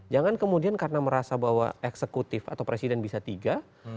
jangan kemudian karena merasa bahwa eksekutif atau presiden bisa tiga